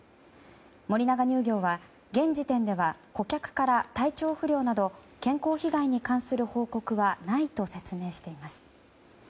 森永乳業は現時点では顧客から体調不良など健康被害に関する報告はないと説明しています。